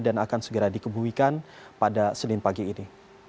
dan akan segera dikebuikan pada senin pagi ini